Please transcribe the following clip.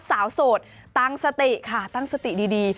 โสดตั้งสติค่ะตั้งสติดี